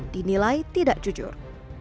dinilai tidak jujur